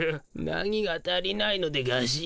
何が足りないのでガシ。